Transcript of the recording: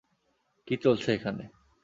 কী চলছে এখানে?